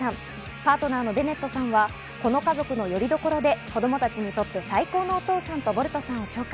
パートナーのベネットさんはこの家族のよりどころで子供たちにとって最高のお父さんとボルトさんを紹介。